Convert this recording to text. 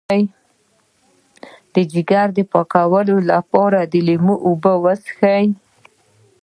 د ځیګر د پاکوالي لپاره د لیمو اوبه وڅښئ